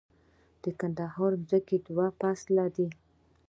د ننګرهار ځمکې دوه فصله دي